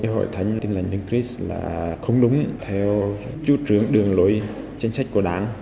hội thánh tin lành đấng trích là không đúng theo chú trưởng đường lối chính sách của đảng